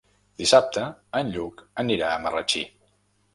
Dissabte en Lluc anirà a Marratxí.